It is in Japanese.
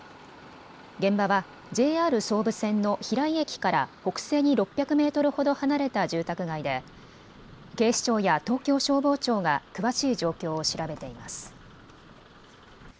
現場はＪＲ総武線の平井駅から北西に６００メートルほど離れた住宅街で警視庁や東京消防庁が詳しい状況を調べています。